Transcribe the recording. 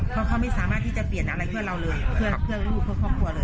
เพราะเขาไม่สามารถที่จะเปลี่ยนอะไรเพื่อเราเลยเพื่อลูกเพื่อครอบครัวเลย